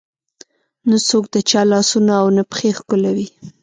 نه څوک د چا لاسونه او نه پښې ښکلوي.